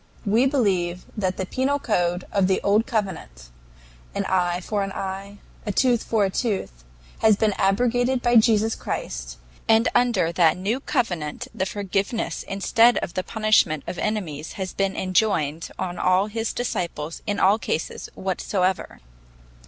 "We believe that the penal code of the old covenant an eye for an eye, and a tooth for a tooth has been abrogated by Jesus Christ, and that under the new covenant the forgiveness instead of the punishment of enemies has been enjoined on all his disciples in all cases whatsoever.